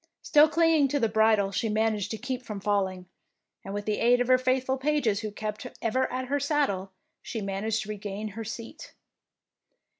Still clinging to the bridle, she managed to keep from falling, and with the aid of her faithful pages who kept ever at her saddle, she managed to regain her seat.